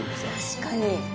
確かに。